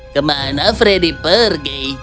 kemana freddy pergi